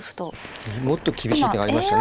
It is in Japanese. もっと厳しい手がありましたね。